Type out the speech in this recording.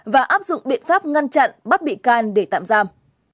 và áp dụng biện pháp ngăn chặn bắt bị can để tạm giam